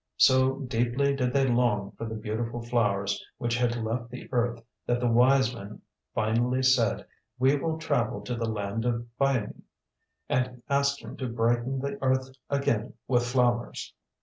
So deeply did they long for the beautiful flowers, which had left the earth, that the wise men finally said, "We will travel to the land of Byamee, and ask him to brighten the earth again with flowers."